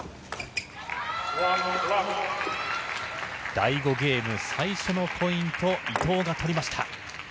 第５ゲーム最初のポイント伊藤が取りました。